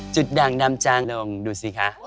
ดั่งดำจางลงดูสิคะ